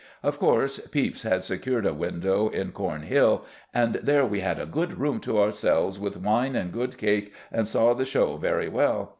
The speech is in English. Of course Pepys had secured a window "in Corne hill, and there we had a good room to ourselves, with wine and good cake, and saw the show very well....